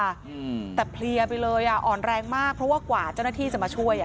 อืมแต่เพลียไปเลยอ่ะอ่อนแรงมากเพราะว่ากว่าเจ้าหน้าที่จะมาช่วยอ่ะ